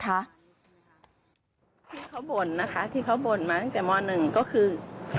ที่เขาบ่นนะคะที่เขาบ่นมาตั้งแต่ม๑ก็คือ